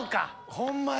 ホンマや！